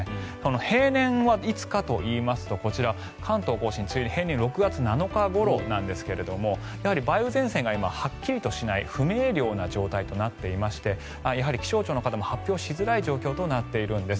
平年はいつかといいますとこちら関東・甲信梅雨入りは平年は６月７日ごろなんですがやはり梅雨前線が今、はっきりとしない不明瞭な状態となっていましてやはり気象庁の方も発表しづらい状況となっているんです。